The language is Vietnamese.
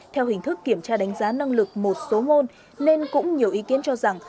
theo hình thức kiểm tra đánh giá năng lực một số môn nên cũng nhiều ý kiến cho rằng